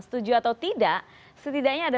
setuju atau tidak setidaknya ada